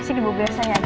sini buka say aja